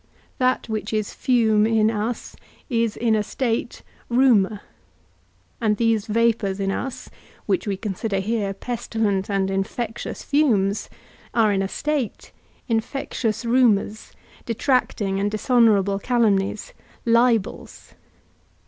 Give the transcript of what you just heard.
That which is fume in us is, in a state rumour; and these vapours in us, which we consider here pestilent and infectious fumes, are, in a state, infecitious rumours, detracting and dishonourable calumnies, libels.